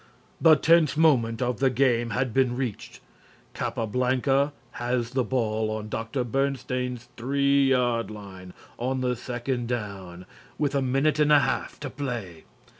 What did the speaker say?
The tense moment of the game had been reached. Capablanca has the ball on Dr. Bernstein's 3 yard line on the second down, with a minute and a half to play.